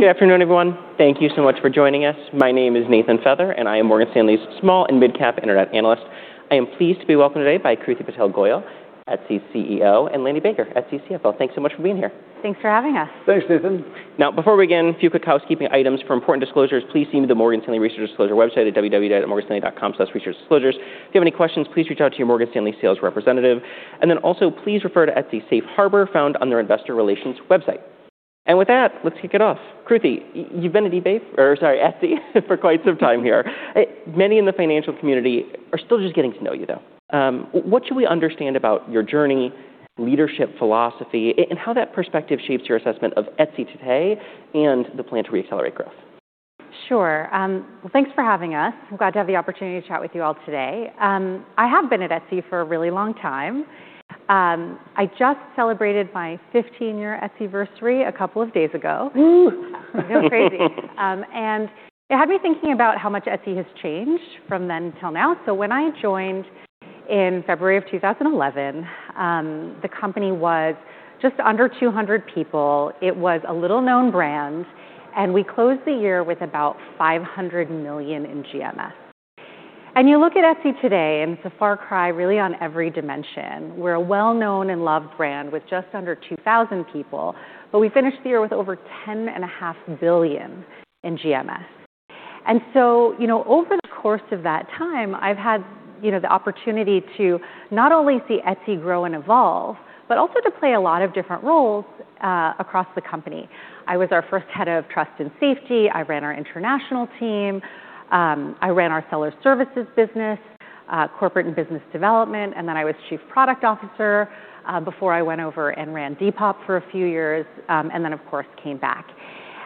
Good afternoon, everyone. Thank you so much for joining us. My name is Nathan Feather, and I am Morgan Stanley's Small and Mid-Cap Internet Analyst. I am pleased to be welcomed today by Kruti Patel Goyal, Etsy's CEO, and Lanny Baker, Etsy's CFO. Thanks so much for being here. Thanks for having us. Thanks, Nathan. Now, before we begin, a few quick housekeeping items. For important disclosures, please see the Morgan Stanley Research Disclosure website at www.morganstanley.com/researchdisclosures. If you have any questions, please reach out to your Morgan Stanley sales representative. Also please refer to Etsy's Safe Harbor found on their Investor Relations website. With that, let's kick it off. Kruti, you've been at eBay-- or sorry, Etsy for quite some time here. Many in the financial community are still just getting to know you, though. What should we understand about your journey, leadership philosophy, and how that perspective shapes your assessment of Etsy today and the plan to reaccelerate growth? Sure. Well, thanks for having us. I'm glad to have the opportunity to chat with you all today. I have been at Etsy for a really long time. I just celebrated my 15-year Etsyversary a couple of days ago. Ooh. I know, crazy. It had me thinking about how much Etsy has changed from then till now. When I joined in February of 2011, the company was just under 200 people. It was a little-known brand, we closed the year with about $500 million in GMS. You look at Etsy today, and it's a far cry really on every dimension. We're a well-known and loved brand with just under 2,000 people, but we finished the year with over $10.5 billion in GMS. You know, over the course of that time, I've had, you know, the opportunity to not only see Etsy grow and evolve, but also to play a lot of different roles across the company. I was our first head of trust and safety. I ran our international team. I ran our Seller Services business, corporate and business development, then I was chief product officer, before I went over and ran Depop for a few years, then, of course, came back.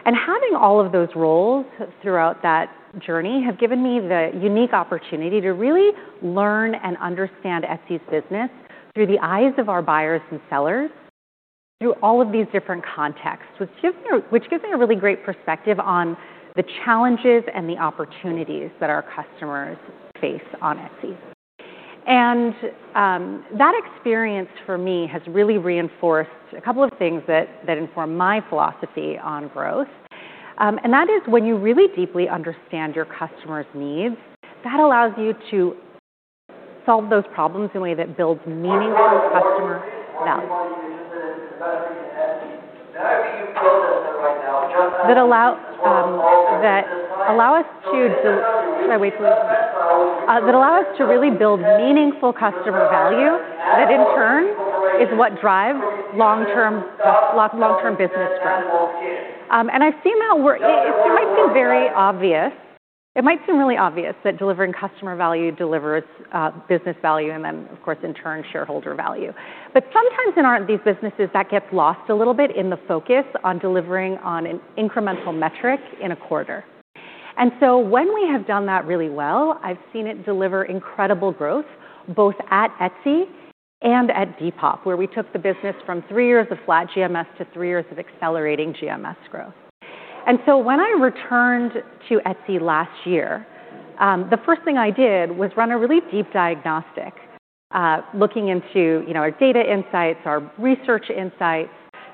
Having all of those roles throughout that journey have given me the unique opportunity to really learn and understand Etsy's business through the eyes of our buyers and sellers, through all of these different contexts, which gives me a really great perspective on the challenges and the opportunities that our customers face on Etsy. That experience for me has really reinforced a couple of things that inform my philosophy on growth. That is when you really deeply understand your customer's needs, that allows you to solve those problems in a way that builds meaningful customer value. That allow us to really build meaningful customer value that in turn is what drives long-term business growth. I've seen that where it might seem very obvious. It might seem really obvious that delivering customer value delivers business value and then, of course, in turn, shareholder value. Sometimes in these businesses, that gets lost a little bit in the focus on delivering on an incremental metric in a quarter. When we have done that really well, I've seen it deliver incredible growth, both at Etsy and at Depop, where we took the business from three years of flat GMS to three years of accelerating GMS growth. When I returned to Etsy last year, the first thing I did was run a really deep diagnostic, looking into, you know, our data insights, our research insights,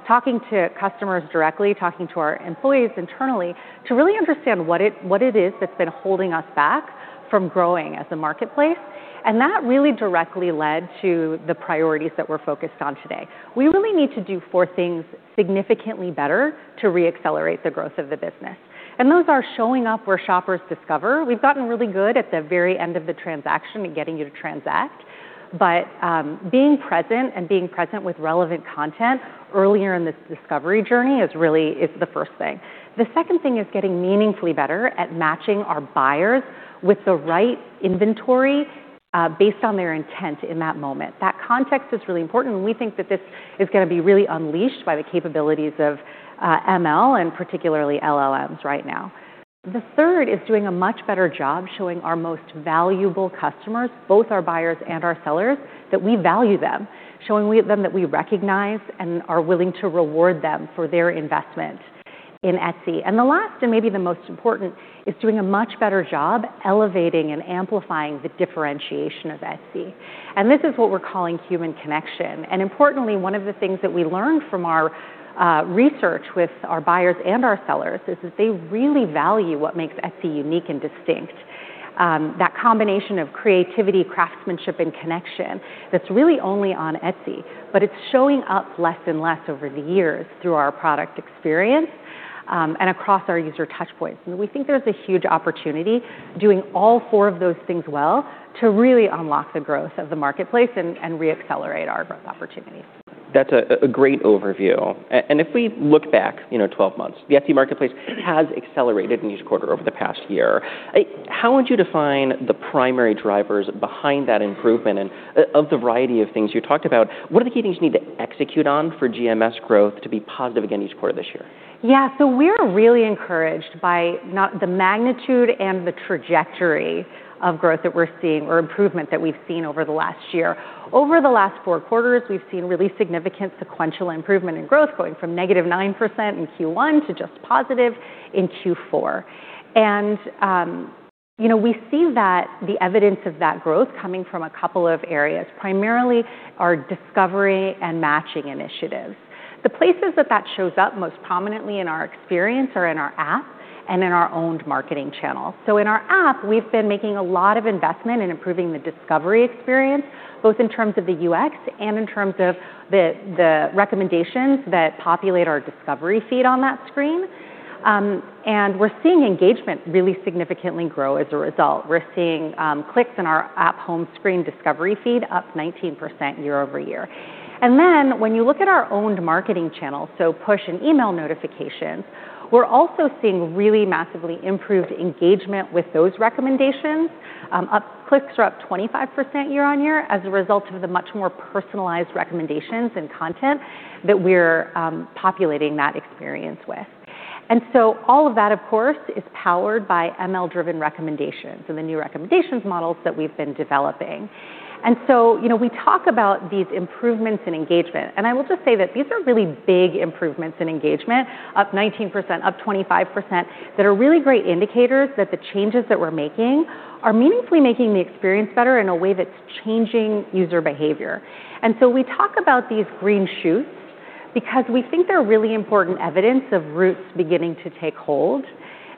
talking to customers directly, talking to our employees internally to really understand what it is that's been holding us back from growing as a marketplace. That really directly led to the priorities that we're focused on today. We really need to do four things significantly better to reaccelerate the growth of the business, and those are showing up where shoppers discover. We've gotten really good at the very end of the transaction in getting you to transact. Being present and being present with relevant content earlier in this discovery journey is the first thing. The second thing is getting meaningfully better at matching our buyers with the right inventory, based on their intent in that moment. That context is really important, and we think that this is gonna be really unleashed by the capabilities of ML and particularly LLMs right now. The third is doing a much better job showing our most valuable customers, both our buyers and our sellers, that we value them, showing them that we recognize and are willing to reward them for their investment in Etsy. The last, and maybe the most important, is doing a much better job elevating and amplifying the differentiation of Etsy. This is what we're calling human connection. Importantly, one of the things that we learned from our research with our buyers and our sellers is that they really value what makes Etsy unique and distinct. That combination of creativity, craftsmanship, and connection that's really only on Etsy, but it's showing up less and less over the years through our product experience, and across our user touchpoints. We think there's a huge opportunity doing all four of those things well to really unlock the growth of the marketplace and reaccelerate our growth opportunities. That's a great overview. If we look back, you know, 12 months, the Etsy Marketplace has accelerated in each quarter over the past year. How would you define the primary drivers behind that improvement? Of the variety of things you talked about, what are the key things you need to execute on for GMS growth to be positive again each quarter this year? Yeah. We're really encouraged by not the magnitude and the trajectory of growth that we're seeing or improvement that we've seen over the last year. Over the last four quarters, we've seen really significant sequential improvement in growth going from -9% in Q1 to just positive in Q4. You know, we see that the evidence of that growth coming from a couple of areas, primarily our discovery and matching initiatives. The places that shows up most prominently in our experience are in our app and in our owned marketing channels. In our app, we've been making a lot of investment in improving the discovery experience, both in terms of the UX and in terms of the recommendations that populate our discovery feed on that screen. We're seeing engagement really significantly grow as a result. We're seeing clicks in our app home screen discovery feed up 19% year-over-year. When you look at our owned marketing channel, so push and email notifications, we're also seeing really massively improved engagement with those recommendations. Clicks are up 25% year-on-year as a result of the much more personalized recommendations and content that we're populating that experience with. All of that, of course, is powered by ML-driven recommendations and the new recommendations models that we've been developing. You know, we talk about these improvements in engagement, and I will just say that these are really big improvements in engagement, up 19%, up 25%, that are really great indicators that the changes that we're making are meaningfully making the experience better in a way that's changing user behavior. We talk about these green shoots because we think they're really important evidence of roots beginning to take hold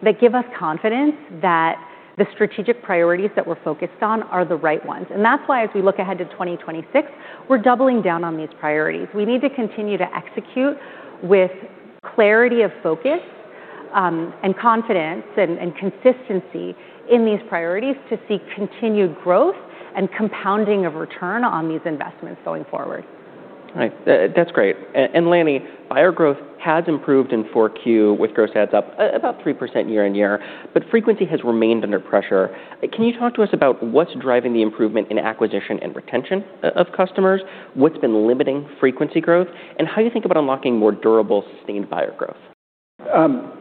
that give us confidence that the strategic priorities that we're focused on are the right ones. That's why as we look ahead to 2026, we're doubling down on these priorities. We need to continue to execute with clarity of focus, and confidence and consistency in these priorities to seek continued growth and compounding of return on these investments going forward. Right. That's great. Lanny, buyer growth has improved in 4Q with gross adds up about 3% year-on-year, but frequency has remained under pressure. Can you talk to us about what's driving the improvement in acquisition and retention of customers, what's been limiting frequency growth, and how you think about unlocking more durable, sustained buyer growth?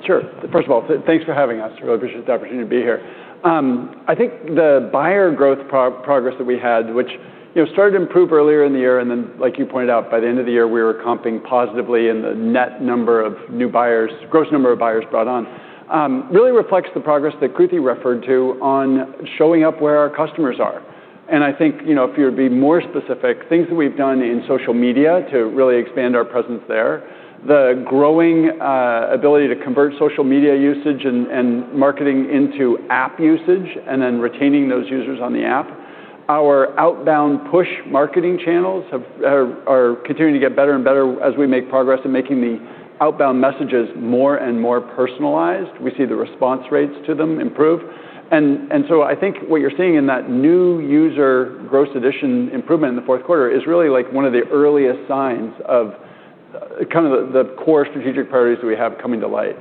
Sure. First of all, thanks for having us. We're really appreciative of the opportunity to be here. I think the buyer growth progress that we had, which, you know, started to improve earlier in the year, and then, like you pointed out, by the end of the year, we were comping positively in the net number of new buyers, gross number of buyers brought on, really reflects the progress that Kruti referred to on showing up where our customers are. I think, you know, if you're being more specific, things that we've done in social media to really expand our presence there, the growing ability to convert social media usage and marketing into app usage and then retaining those users on the app. Our outbound push marketing channels are continuing to get better and better as we make progress in making the outbound messages more and more personalized. We see the response rates to them improve. I think what you're seeing in that new user gross addition improvement in the fourth quarter is really like one of the earliest signs of kind of the core strategic priorities that we have coming to light.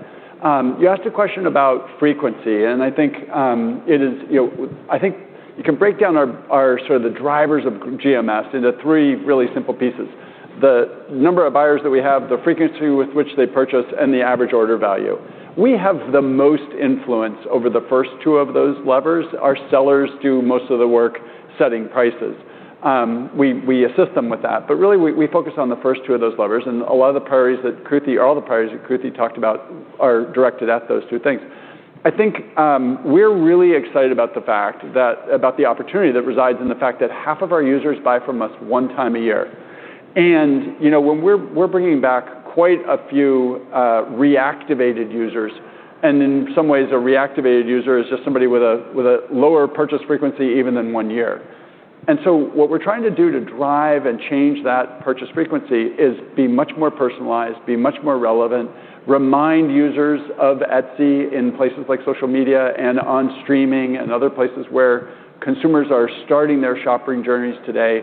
You asked a question about frequency, and I think it is, you know, I think you can break down our sort of the drivers of GMS into three really simple pieces. The number of buyers that we have, the frequency with which they purchase, and the average order value. We have the most influence over the first two of those levers. Our sellers do most of the work setting prices. We assist them with that, but really we focus on the first two of those levers, and a lot of the priorities that Kruti or all the priorities that Kruti talked about are directed at those two things. I think, we're really excited about the fact that about the opportunity that resides in the fact that half of our users buy from us one time a year. you know, when we're bringing back quite a few reactivated users, and in some ways a reactivated user is just somebody with a, with a lower purchase frequency even than one year. What we're trying to do to drive and change that purchase frequency is be much more personalized, be much more relevant, remind users of Etsy in places like social media and on streaming and other places where consumers are starting their shopping journeys today.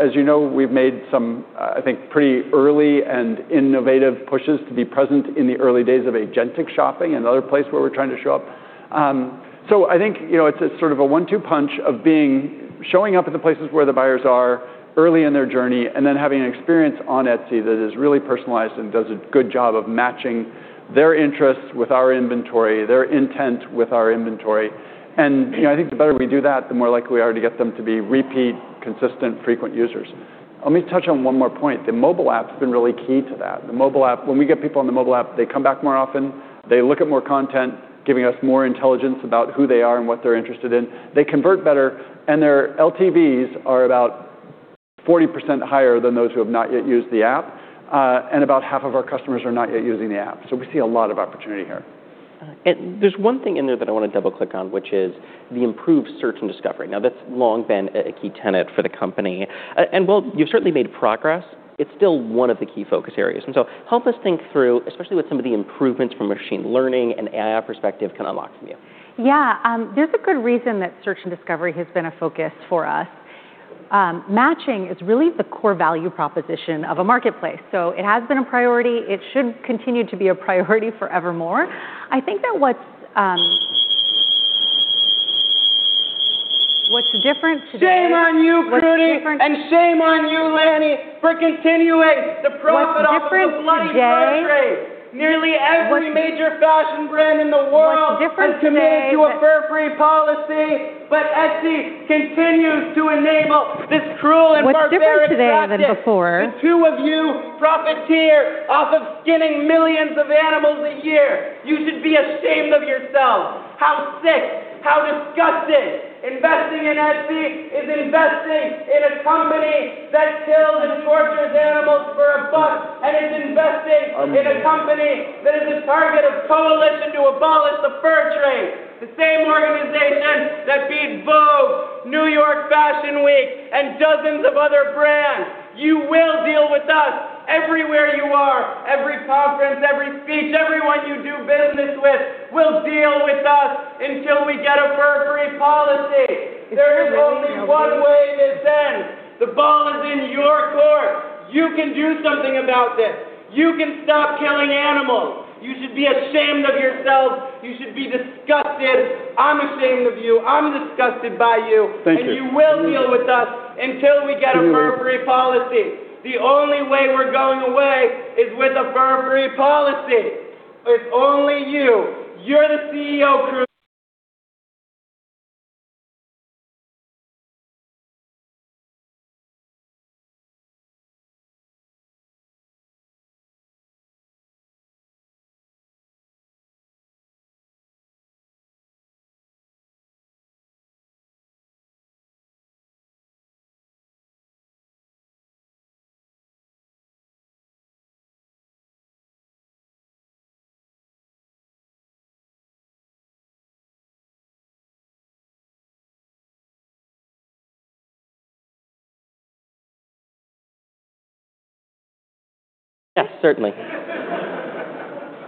As you know, we've made some, I think pretty early and innovative pushes to be present in the early days of agentic shopping, another place where we're trying to show up. I think, you know, it's a sort of a one-two punch of showing up at the places where the buyers are early in their journey and then having an experience on Etsy that is really personalized and does a good job of matching their interests with our inventory, their intent with our inventory. You know, I think the better we do that, the more likely we are to get them to be repeat, consistent, frequent users. Let me touch on one more point. The mobile app's been really key to that. The mobile app, when we get people on the mobile app, they come back more often, they look at more content, giving us more intelligence about who they are and what they're interested in. They convert better, and their LTVs are about 40% higher than those who have not yet used the app. About half of our customers are not yet using the app. We see a lot of opportunity here. There's one thing in there that I want to double-click on, which is the improved search and discovery. Now, that's long been a key tenet for the company. While you've certainly made progress, it's still one of the key focus areas. Help us think through, especially with some of the improvements from machine learning and AI perspective can unlock from you. Yeah. There's a good reason that search and discovery has been a focus for us. Matching is really the core value proposition of a marketplace. It has been a priority. It should continue to be a priority forevermore. I think that what's different today— Shame on you, Kruti, and shame on you, Lanny, for continuing to profit off of the bloody fur trade. Nearly every major fashion brand in the world has committed to a fur-free policy. Etsy continues to enable this cruel and barbaric practice. What's different today than before? The two of you profiteers out of killing millions of animals a year. You should be ashamed of yourselves. How sick, how disgusted. Investing in Etsy is investing in a company that kills and tortures animals for a buck, and it's investing in a company that is a target of Coalition to Abolish the Fur Trade. The same organization that feeds Vogue, New York Fashion Week, and dozens of other brands. You will deal with us everywhere you are, every conference, every speech, everyone you do business with will deal with us until we get a fur-free policy. There is only one way this ends. The ball is in your court. You can do something about this. You can stop killing animals. You should be ashamed of yourselves. You should be disgusted. I'm ashamed of you. I'm disgusted by you. Thank you. You will deal with us until we get a fur-free policy. The only way we're going away is with a fur-free policy. It's only you. You're the CEO— Yes, certainly.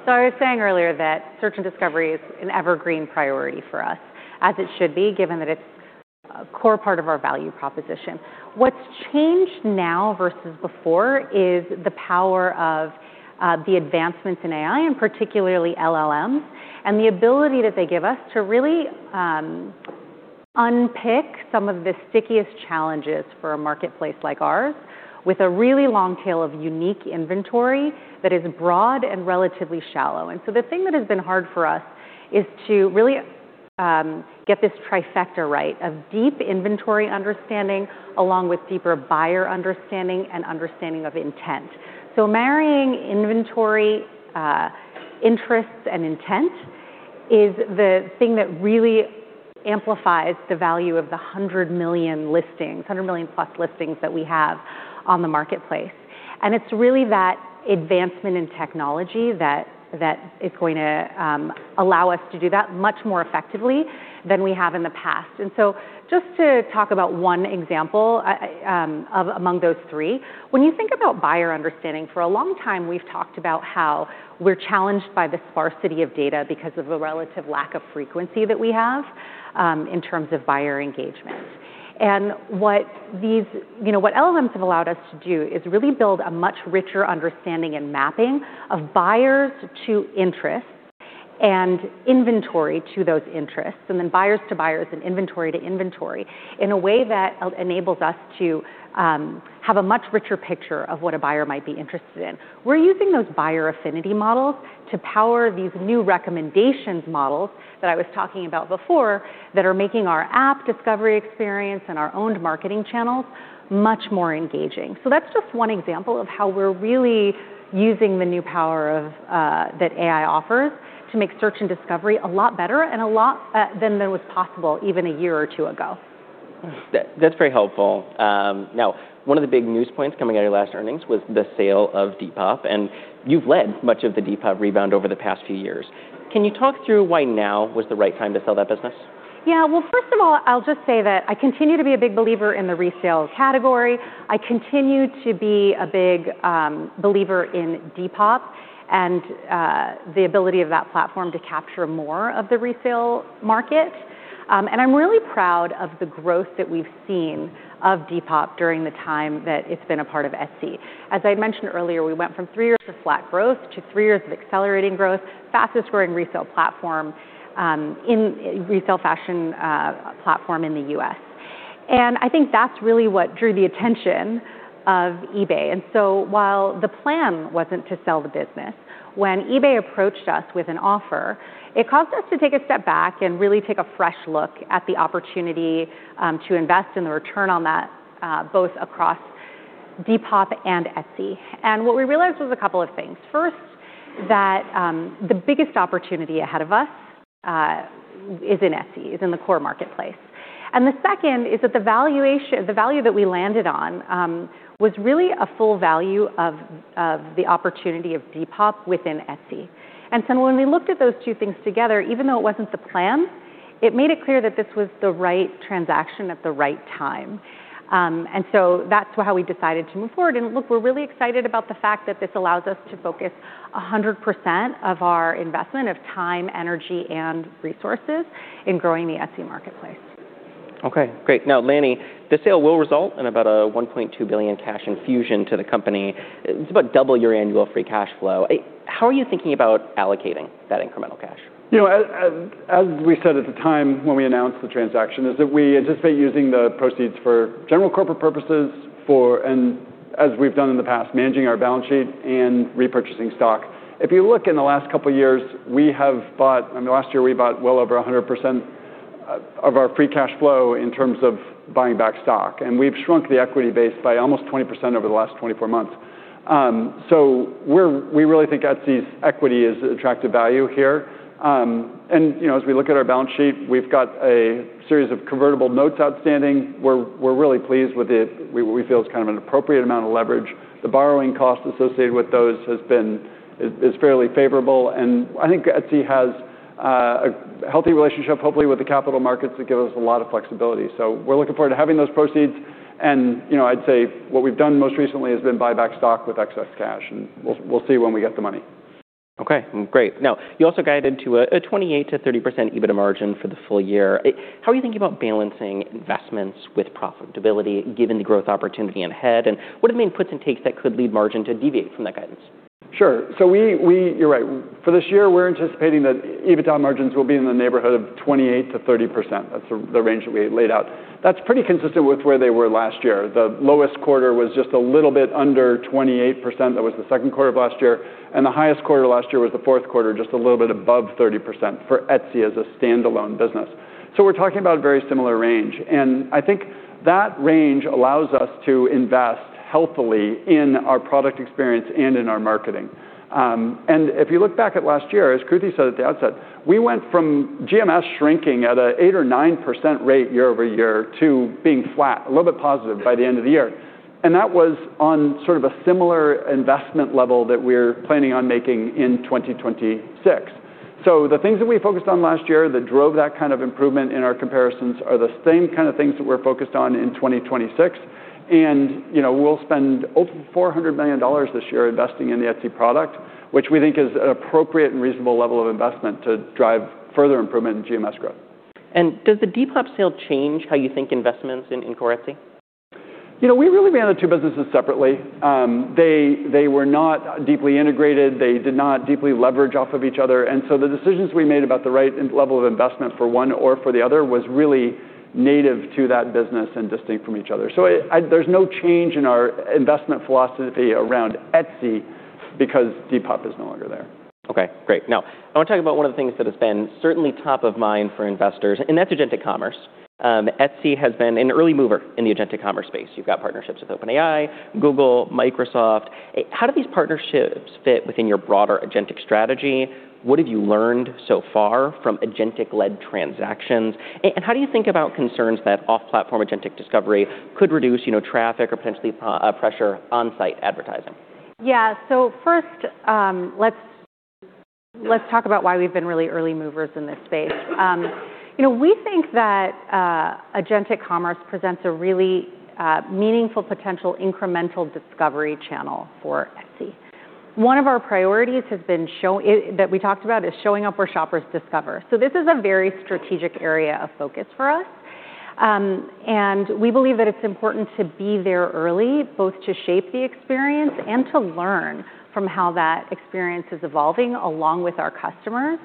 I was saying earlier that search and discovery is an evergreen priority for us, as it should be, given that it's a core part of our value proposition. What's changed now versus before is the power of the advancements in AI, and particularly LLMs, and the ability that they give us to really unpick some of the stickiest challenges for a marketplace like ours with a really long tail of unique inventory that is broad and relatively shallow. The thing that has been hard for us is to really get this trifecta right of deep inventory understanding along with deeper buyer understanding and understanding of intent. Marrying inventory interests and intent is the thing that really amplifies the value of the 100 million listings, 100 million plus listings that we have on the marketplace. It's really that advancement in technology that is going to allow us to do that much more effectively than we have in the past. Just to talk about one example of among those three, when you think about buyer understanding, for a long time, we've talked about how we're challenged by the sparsity of data because of the relative lack of frequency that we have in terms of buyer engagement. You know, what LLMs have allowed us to do is really build a much richer understanding and mapping of buyers to interests and inventory to those interests, and then buyers to buyers and inventory to inventory in a way that enables us to have a much richer picture of what a buyer might be interested in. We're using those buyer affinity models to power these new recommendations models that I was talking about before that are making our app discovery experience and our owned marketing channels much more engaging. That's just one example of how we're really using the new power of that AI offers to make search and discovery a lot better and a lot than there was possible even a year or two ago. That's very helpful. One of the big news points coming out of your last earnings was the sale of Depop, and you've led much of the Depop rebound over the past few years. Can you talk through why now was the right time to sell that business? First of all, I'll just say that I continue to be a big believer in the resale category. I continue to be a big believer in Depop and the ability of that platform to capture more of the resale market. I'm really proud of the growth that we've seen of Depop during the time that it's been a part of Etsy. As I mentioned earlier, we went from three years of flat growth to three years of accelerating growth, fastest-growing resale platform in resale fashion platform in the U.S. I think that's really what drew the attention of eBay. While the plan wasn't to sell the business, when eBay approached us with an offer, it caused us to take a step back and really take a fresh look at the opportunity to invest in the return on that both across Depop and Etsy. What we realized was a couple of things. First, that the biggest opportunity ahead of us is in Etsy, is in the core marketplace. The second is that the valuation the value that we landed on was really a full value of the opportunity of Depop within Etsy. When we looked at those two things together, even though it wasn't the plan, it made it clear that this was the right transaction at the right time. That's how we decided to move forward. Look, we're really excited about the fact that this allows us to focus 100% of our investment of time, energy, and resources in growing the Etsy Marketplace. Okay, great. Lanny, the sale will result in about a $1.2 billion cash infusion to the company. It's about double your annual free cash flow. How are you thinking about allocating that incremental cash? You know, as we said at the time when we announced the transaction is that we anticipate using the proceeds for general corporate purposes for, and as we've done in the past, managing our balance sheet and repurchasing stock. If you look in the last couple of years, I mean, last year we bought well over 100% of our free cash flow in terms of buying back stock. We've shrunk the equity base by almost 20% over the last 24 months. We really think Etsy's equity is attractive value here. You know, as we look at our balance sheet, we've got a series of convertible notes outstanding. We're really pleased with it. We feel it's kind of an appropriate amount of leverage. The borrowing cost associated with those has been fairly favorable. I think Etsy has a healthy relationship, hopefully, with the capital markets that give us a lot of flexibility. We're looking forward to having those proceeds. You know, I'd say what we've done most recently has been buy back stock with excess cash, and we'll see when we get the money. Okay, great. Now, you also guided to a 28%-30% EBITDA margin for the full year. How are you thinking about balancing investments with profitability given the growth opportunity ahead? What are the main puts and takes that could lead margin to deviate from that guidance? Sure. You're right. For this year, we're anticipating that EBITDA margins will be in the neighborhood of 28%-30%. That's the range that we had laid out. That's pretty consistent with where they were last year. The lowest quarter was just a little bit under 28%. That was the second quarter of last year. The highest quarter last year was the fourth quarter, just a little bit above 30% for Etsy as a standalone business. We're talking about a very similar range. I think that range allows us to invest healthily in our product experience and in our marketing. If you look back at last year, as Kruti said at the outset, we went from GMS shrinking at a 8% or 9% rate year-over-year to being flat, a little bit positive by the end of the year. That was on sort of a similar investment level that we're planning on making in 2026. The things that we focused on last year that drove that kind of improvement in our comparisons are the same kind of things that we're focused on in 2026. You know, we'll spend over $400 million this year investing in the Etsy product, which we think is an appropriate and reasonable level of investment to drive further improvement in GMS growth. Does the Depop sale change how you think investments in core Etsy? You know, we really ran the two businesses separately. They were not deeply integrated. They did not deeply leverage off of each other. The decisions we made about the right level of investment for one or for the other was really native to that business and distinct from each other. There's no change in our investment philosophy around Etsy because Depop is no longer there. Okay, great. Now, I want to talk about one of the things that has been certainly top of mind for investors, and that's agentic commerce. Etsy has been an early mover in the agentic commerce space. You've got partnerships with OpenAI, Google, Microsoft. How do these partnerships fit within your broader agentic strategy? What have you learned so far from agentic-led transactions? And how do you think about concerns that off-platform agentic discovery could reduce, you know, traffic or potentially pressure on-site advertising? Yeah. First, let's talk about why we've been really early movers in this space. You know, we think that agentic commerce presents a really meaningful potential incremental discovery channel for Etsy. One of our priorities has been that we talked about is showing up where shoppers discover. This is a very strategic area of focus for us. We believe that it's important to be there early, both to shape the experience and to learn from how that experience is evolving along with our customers,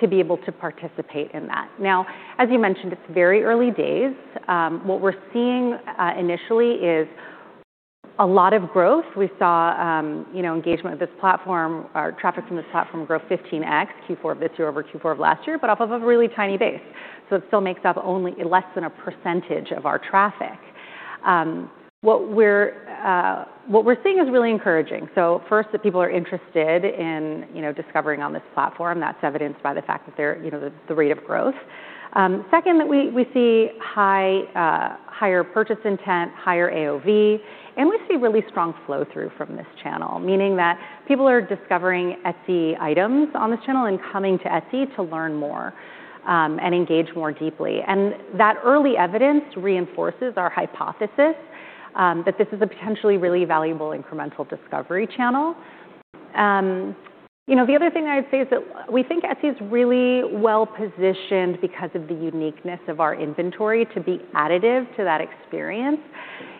to be able to participate in that. Now, as you mentioned, it's very early days. What we're seeing initially is a lot of growth. We saw, you know, engagement with this platform, our traffic from this platform grow 15x Q4 of this year over Q4 of last year, but off of a really tiny base. It still makes up only less than 1% of our traffic. What we're seeing is really encouraging. First, that people are interested in, you know, discovering on this platform. That's evidenced by the fact that they're, you know, the rate of growth. Second, that we see high, higher purchase intent, higher AOV, and we see really strong flow-through from this channel, meaning that people are discovering Etsy items on this channel and coming to Etsy to learn more and engage more deeply. That early evidence reinforces our hypothesis that this is a potentially really valuable incremental discovery channel. You know, the other thing I'd say is that we think Etsy is really well-positioned because of the uniqueness of our inventory to be additive to that experience.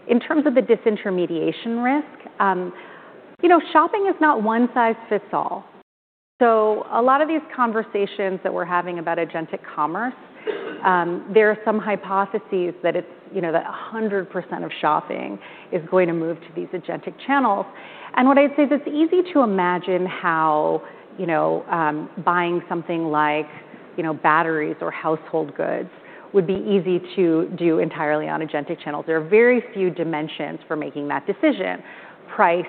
In terms of the disintermediation risk, you know, shopping is not one size fits all. A lot of these conversations that we're having about agentic commerce, there are some hypotheses that it's, you know, that 100% of shopping is going to move to these agentic channels. What I'd say is it's easy to imagine how, you know, buying something like, you know, batteries or household goods would be easy to do entirely on agentic channels. There are very few dimensions for making that decision: price,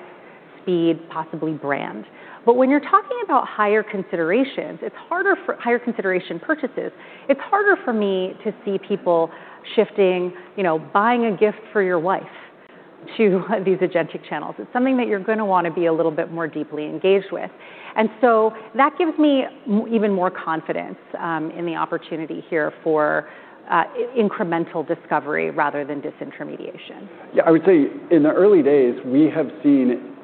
speed, possibly brand. When you're talking about higher considerations, it's harder for... Higher consideration purchases, it's harder for me to see people shifting, you know, buying a gift for your wife to these agentic channels. It's something that you're gonna wanna be a little bit more deeply engaged with. That gives me even more confidence in the opportunity here for incremental discovery rather than disintermediation. Yeah. I would say in the early days, we have seen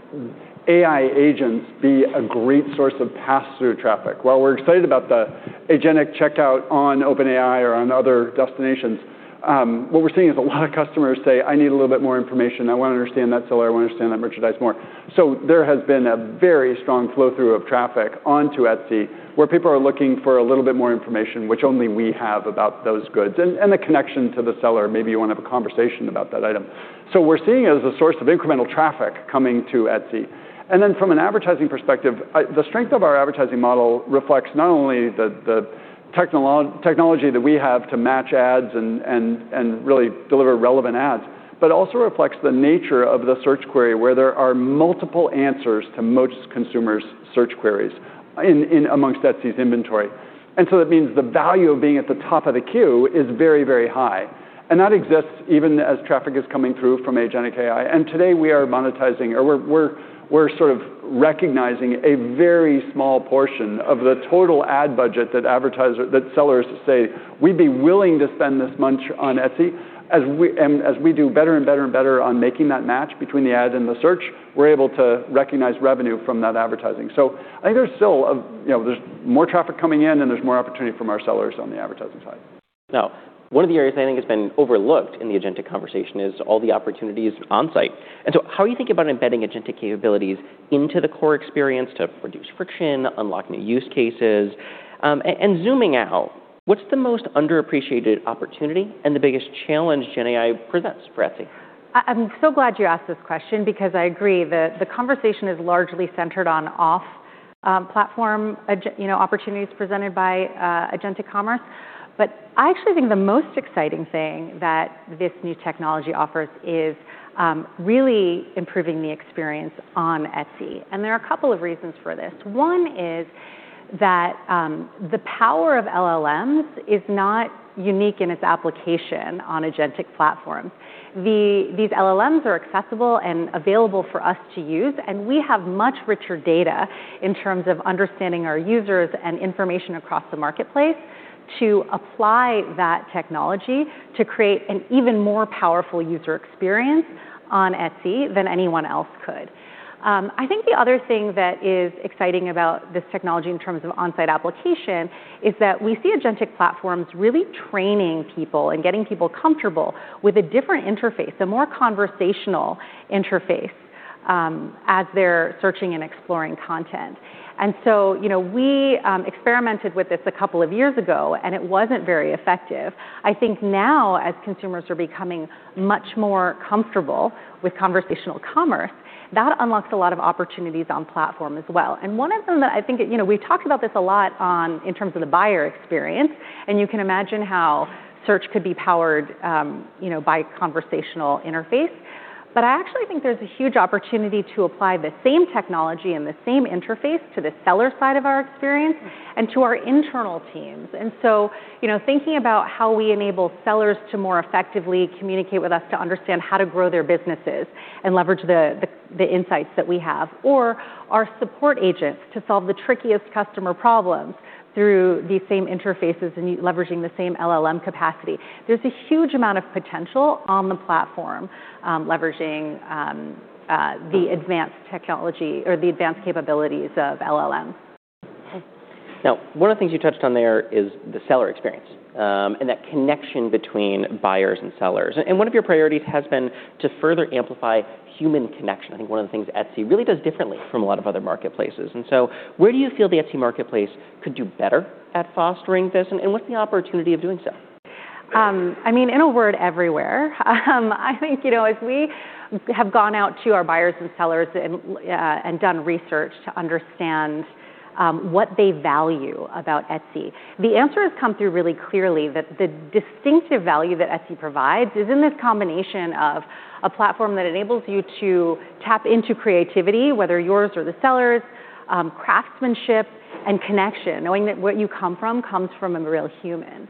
AI agents be a great source of pass-through traffic. While we're excited about the agentic checkout on OpenAI or on other destinations. What we're seeing is a lot of customers say, "I need a little bit more information. I wanna understand that seller. I wanna understand that merchandise more." There has been a very strong flow-through of traffic onto Etsy where people are looking for a little bit more information, which only we have about those goods and the connection to the seller. Maybe you wanna have a conversation about that item. We're seeing it as a source of incremental traffic coming to Etsy. From an advertising perspective the strength of our advertising model reflects not only the technology that we have to match ads and really deliver relevant ads, but also reflects the nature of the search query where there are multiple answers to most consumers' search queries in amongst Etsy's inventory. That means the value of being at the top of the queue is very, very high, and that exists even as traffic is coming through from agentic AI, and today we are monetizing or we're sort of recognizing a very small portion of the total ad budget that sellers say, "We'd be willing to spend this much on Etsy." As we do better on making that match between the ad and the search, we're able to recognize revenue from that advertising. I think there's still a, you know, there's more traffic coming in, and there's more opportunity from our sellers on the advertising side. Now, one of the areas I think has been overlooked in the agentic conversation is all the opportunities on-site. How are you thinking about embedding agentic capabilities into the core experience to reduce friction, unlock new use cases? Zooming out, what's the most underappreciated opportunity and the biggest challenge GenAI presents for Etsy? I'm so glad you asked this question. I agree. The conversation is largely centered on off, you know, opportunities presented by agentic commerce. I actually think the most exciting thing that this new technology offers is really improving the experience on Etsy, and there are a couple of reasons for this. One is that the power of LLMs is not unique in its application on agentic platforms. These LLMs are accessible and available for us to use, and we have much richer data in terms of understanding our users and information across the marketplace to apply that technology to create an even more powerful user experience on Etsy than anyone else could. I think the other thing that is exciting about this technology in terms of on-site application is that we see agentic platforms really training people and getting people comfortable with a different interface, a more conversational interface, as they're searching and exploring content. You know, we experimented with this a couple of years ago, and it wasn't very effective. I think now as consumers are becoming much more comfortable with conversational commerce, that unlocks a lot of opportunities on platform as well. One of them that I think that, you know, we've talked about this a lot on, in terms of the buyer experience, and you can imagine how search could be powered, you know, by conversational interface. I actually think there's a huge opportunity to apply the same technology and the same interface to the seller side of our experience and to our internal teams. You know, thinking about how we enable sellers to more effectively communicate with us to understand how to grow their businesses and leverage the insights that we have, or our support agents to solve the trickiest customer problems through these same interfaces and leveraging the same LLM capacity. There's a huge amount of potential on the platform, leveraging the advanced technology or the advanced capabilities of LLM. Okay. One of the things you touched on there is the seller experience, and that connection between buyers and sellers. One of your priorities has been to further amplify human connection, I think one of the things Etsy really does differently from a lot of other marketplaces. Where do you feel the Etsy Marketplace could do better at fostering this, and what's the opportunity of doing so? I mean, in a word, everywhere. I think, you know, as we have gone out to our buyers and sellers and done research to understand what they value about Etsy, the answer has come through really clearly that the distinctive value that Etsy provides is in this combination of a platform that enables you to tap into creativity, whether yours or the seller's, craftsmanship and connection, knowing that what you come from comes from a real human.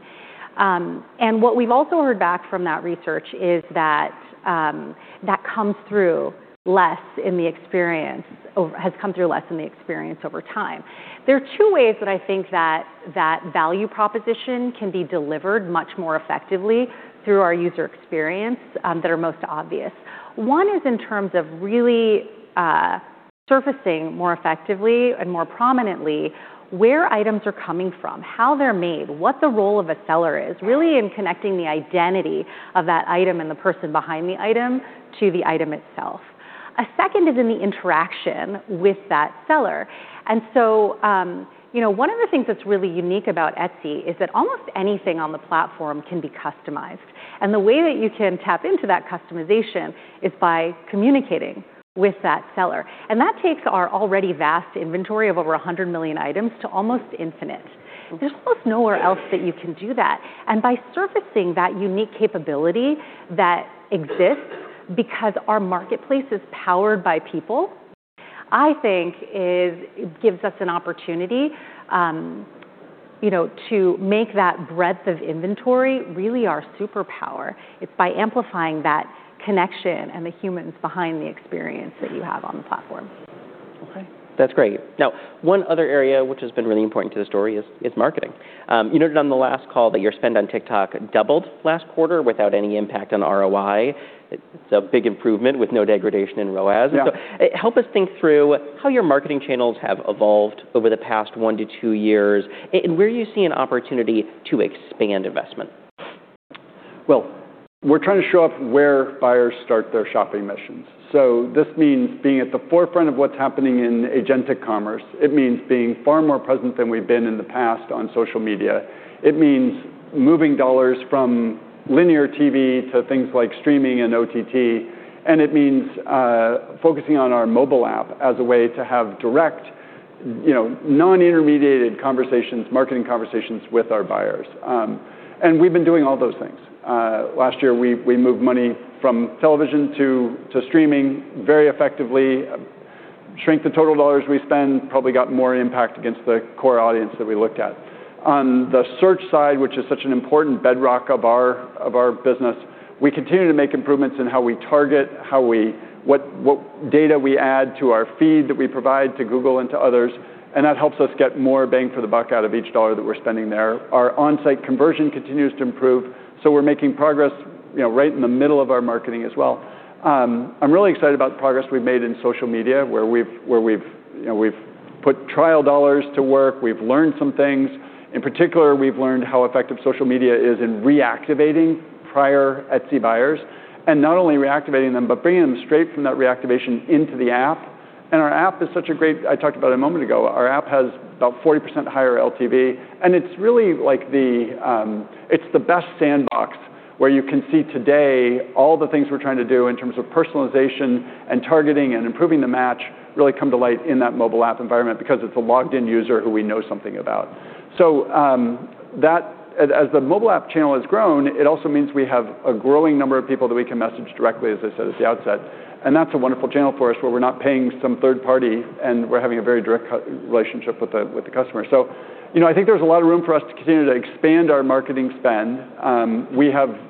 What we've also heard back from that research is that that comes through less in the experience or has come through less in the experience over time. There are two ways that I think that that value proposition can be delivered much more effectively through our user experience that are most obvious. One is in terms of really, surfacing more effectively and more prominently where items are coming from, how they're made, what the role of a seller is, really in connecting the identity of that item and the person behind the item to the item itself. A second is in the interaction with that seller. You know, one of the things that's really unique about Etsy is that almost anything on the platform can be customized, and the way that you can tap into that customization is by communicating with that seller. That takes our already vast inventory of over 100 million items to almost infinite. Mm-hmm. There's almost nowhere else that you can do that. By surfacing that unique capability that exists because our marketplace is powered by people, I think gives us an opportunity, you know, to make that breadth of inventory really our superpower. It's by amplifying that connection and the humans behind the experience that you have on the platform. Okay. That's great. One other area which has been really important to the story is marketing. You noted on the last call that your spend on TikTok doubled last quarter without any impact on ROI. It's a big improvement with no degradation in ROAS. Yeah. Help us think through how your marketing channels have evolved over the past 1-2 years and where you see an opportunity to expand investment. We're trying to show up where buyers start their shopping missions. This means being at the forefront of what's happening in agentic commerce. It means being far more present than we've been in the past on social media. It means moving dollars from linear TV to things like streaming and OTT, and it means focusing on our mobile app as a way to have direct, you know, non-intermediated conversations, marketing conversations with our buyers. We've been doing all those things. Last year we moved money from television to streaming very effectively, shrank the total dollars we spend, probably got more impact against the core audience that we looked at. On the search side, which is such an important bedrock of our business, we continue to make improvements in how we target, how we, what data we add to our feed that we provide to Google and to others. That helps us get more bang for the buck out of each dollar that we're spending there. Our onsite conversion continues to improve. We're making progress, you know, right in the middle of our marketing as well. I'm really excited about the progress we've made in social media, where we've, you know, we've put trial dollars to work, we've learned some things. In particular, we've learned how effective social media is in reactivating prior Etsy buyers, and not only reactivating them, but bringing them straight from that reactivation into the app. Our app is such a great... I talked about it a moment ago. Our app has about 40% higher LTV, it's really like the best sandbox, where you can see today all the things we're trying to do in terms of personalization and targeting and improving the match really come to light in that mobile app environment because it's a logged in user who we know something about. As the mobile app channel has grown, it also means we have a growing number of people that we can message directly, as I said at the outset. That's a wonderful channel for us, where we're not paying some third party. We're having a very direct co- relationship with the customer. You know, I think there's a lot of room for us to continue to expand our marketing spend.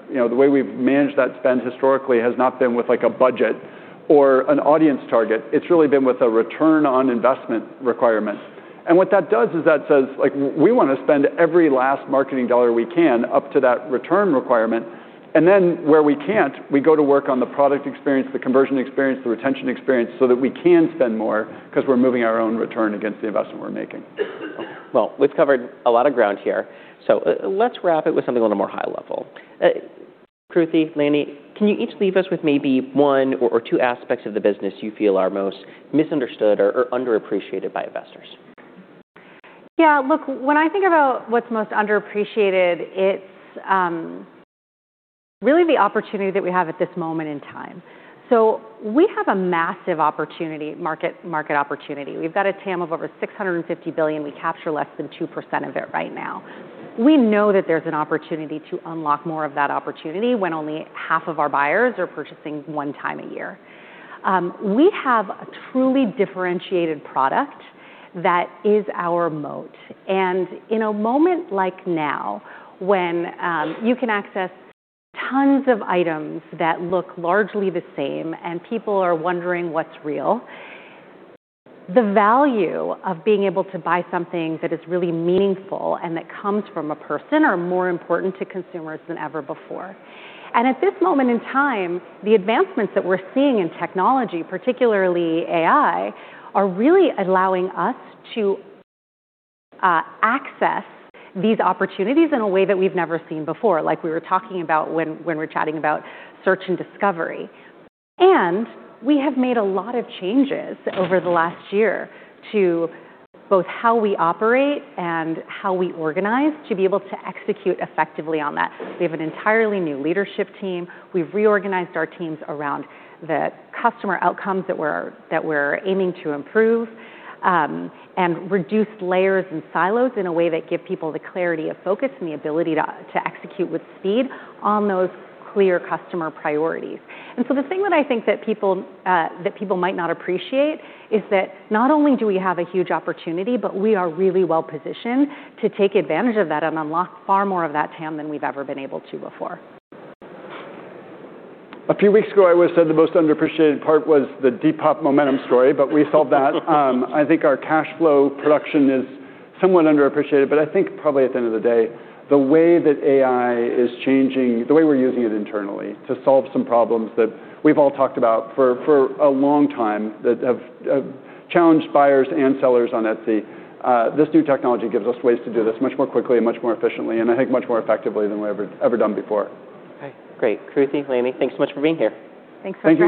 You know, the way we've managed that spend historically has not been with, like, a budget or an audience target. It's really been with a return on investment requirement. What that does is that says, like, we wanna spend every last marketing dollar we can up to that return requirement, and then where we can't, we go to work on the product experience, the conversion experience, the retention experience, so that we can spend more 'cause we're moving our own return against the investment we're making. Well, we've covered a lot of ground here, let's wrap it with something on a more high level. Kruti, Lanny, can you each leave us with maybe one or two aspects of the business you feel are most misunderstood or underappreciated by investors? Look, when I think about what's most underappreciated, it's really the opportunity that we have at this moment in time. We have a massive market opportunity. We've got a TAM of over $650 billion. We capture less than 2% of it right now. We know that there's an opportunity to unlock more of that opportunity when only half of our buyers are purchasing 1x a year. We have a truly differentiated product that is our moat, and in a moment like now, when you can access tons of items that look largely the same and people are wondering what's real, the value of being able to buy something that is really meaningful and that comes from a person are more important to consumers than ever before. At this moment in time, the advancements that we're seeing in technology, particularly AI, are really allowing us to access these opportunities in a way that we've never seen before, like we were talking about when we're chatting about search and discovery. We have made a lot of changes over the last year to both how we operate and how we organize to be able to execute effectively on that. We have an entirely new leadership team. We've reorganized our teams around the customer outcomes that we're aiming to improve and reduced layers and silos in a way that give people the clarity of focus and the ability to execute with speed on those clear customer priorities. The thing that I think that people might not appreciate is that not only do we have a huge opportunity, but we are really well positioned to take advantage of that and unlock far more of that TAM than we've ever been able to before. A few weeks ago, I would've said the most underappreciated part was the Depop momentum story, but we solved that. I think our cash flow production is somewhat underappreciated, but I think probably at the end of the day, the way that AI is changing, the way we're using it internally to solve some problems that we've all talked about for a long time that have challenged buyers and sellers on Etsy, this new technology gives us ways to do this much more quickly and much more efficiently, and I think much more effectively than we've ever done before. Okay, great. Kruti, Lanny, thanks so much for being here. Thanks so much.